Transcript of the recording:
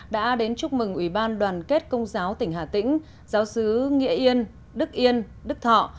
đã đến chúc mừng ủy ban đoàn kết công giáo tỉnh hà tĩnh giáo sứ nghĩa yên đức yên đức thọ